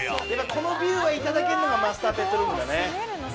このビューが頂けんのがマスターベッドルームだね。